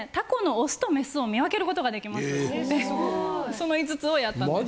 その５つをやったんです。